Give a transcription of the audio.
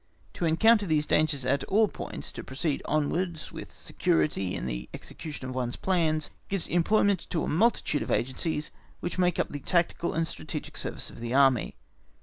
To encounter these dangers at all points, to proceed onwards with security in the execution of one's plans, gives employment to a multitude of agencies which make up the tactical and strategic service of the Army.